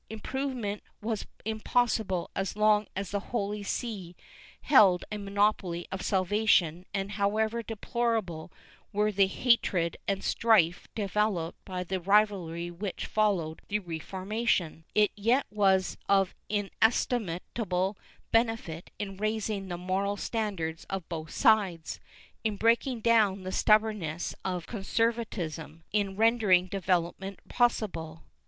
Improvement was impossible so long as the Holy See held a monopoly of salvation and, however deplorable were the hatred and strife developed by the rivalry which followed the Refor mation, it yet was of inestimable benefit in raising the moral standards of both sides, in breaking down the stubbornness of conservatism and in rendering development possible.